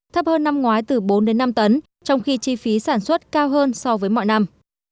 thấp hơn năm ngoái từ bốn năm tấn trong khi chi phí sản xuất cao hơn so với mọi năm